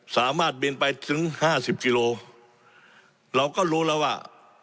สามารถบินไปถึงห้าสิบกิโลเราก็รู้แล้วว่า